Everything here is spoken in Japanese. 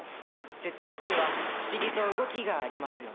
攝津の句には不思議と動きがありますよね。